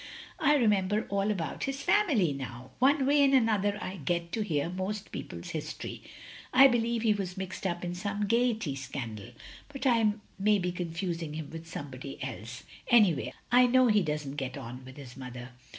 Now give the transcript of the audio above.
I remember all about his family now. One way and another I get to hear most people's history. I believe he was mixed up in some Gaiety scandal; but I may be confusing him with somebody else. Any way, I know he doesn't get on with his mother.